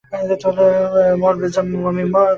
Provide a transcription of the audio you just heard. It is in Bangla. মর, বেজন্মা মমি কোথাকার!